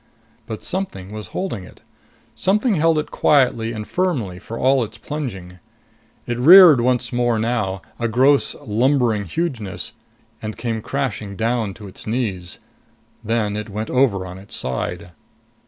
But something was holding it. Something held it quietly and firmly, for all its plunging. It reared once more now, a gross, lumbering hugeness, and came crashing down to its knees. Then it went over on its side.